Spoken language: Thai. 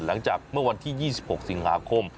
หลังจากเมื่อวันที่๒๖สิงหาคม